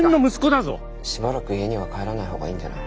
しばらく家には帰らない方がいいんじゃない？